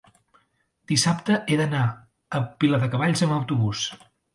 dissabte he d'anar a Viladecavalls amb autobús.